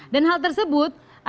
dan hal tersebut akhirnya